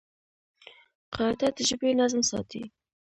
قاعده د ژبي نظم ساتي.